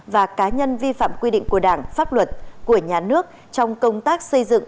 và cá nhân vi phạm quy định của đảng pháp luật của nhà nước trong công tác xây dựng